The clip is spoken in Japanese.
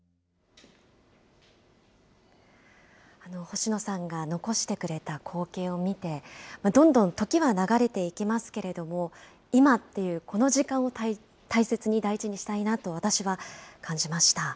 星野さんが残してくれた光景を見て、どんどん時は流れていきますけれども、今っていうこの時間を大切に、大事にしたいなと、私は感じました。